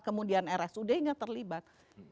kemudian rsud nya terlibat